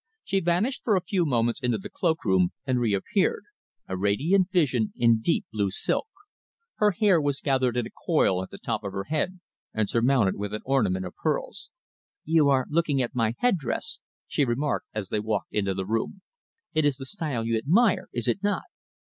She vanished for a few moments in the cloakroom, and reappeared, a radiant vision in deep blue silk. Her hair was gathered in a coil at the top of her head, and surmounted with an ornament of pearls. "You are looking at my headdress," she remarked, as they walked into the room. "It is the style you admire, is it not?"